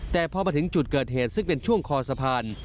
แต่พอมาถึงจุดเกิดเหตุซึ่งเป็นช่วงคอสะพาน